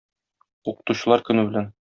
Укытучылар көне белән!